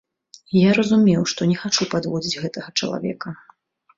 Я разумеў, што не хачу падводзіць гэтага чалавека.